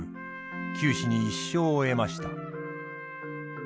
九死に一生を得ました。